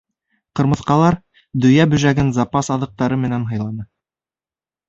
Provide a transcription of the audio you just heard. Ҡырмыҫҡалар Дөйә бөжәген запас аҙыҡтары менән һыйланы.